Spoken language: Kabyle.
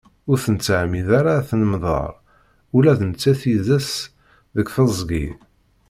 Ur nettɛemmid ara ad tennemḍar ula d nettat yid-s deg tezgi.